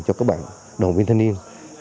cho các bạn đồng viên thanh niên